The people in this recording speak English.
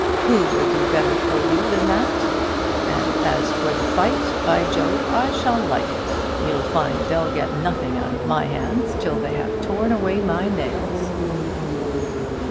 Who will do better for you than that? And as for the fight, by Jove! I shall like it. You'll find they'll get nothing out of my hands till they have torn away my nails."